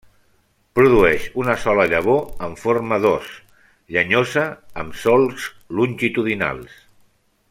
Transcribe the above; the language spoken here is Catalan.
Produeix una sola llavor en forma d'os, llenyosa, amb solcs longitudinals.